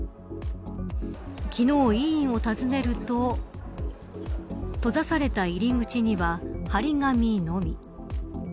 昨日、医院を訪ねると閉ざされた入り口には張り紙のみ。